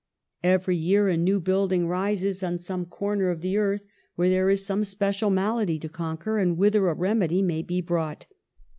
Every year a new building rises in some corner of the earth where there is some special malady to conquer, and whither a remedy may be brought.